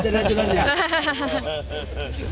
coba lihat bisa jelajah juga